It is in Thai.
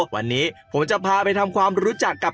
วันนี้ผมจะพาไปทำความรู้จักกับ